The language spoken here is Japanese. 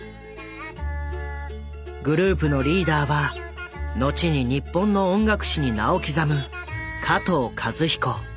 グループのリーダーは後に日本の音楽史に名を刻む加藤和彦。